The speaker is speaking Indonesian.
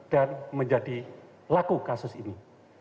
dan menjadi laku kasus ini